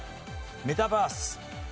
メタバース。